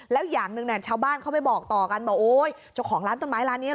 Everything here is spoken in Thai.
แล้วอย่างหนึ่งชาวบ้านเขาไปบอกต่อกันบอกโอ๊ยเจ้าของร้านต้นไม้ร้านนี้